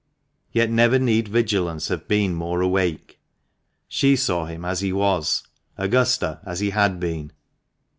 Yet never need vigilance have been more awake. She saw him as he was — Augusta, as he had been.